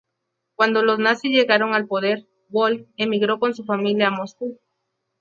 Cuando los nazis llegaron al poder, Wolf emigró con su familia a Moscú.